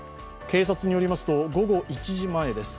警察によりますと午後１時前です。